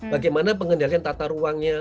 bagaimana pengendalian tata ruangnya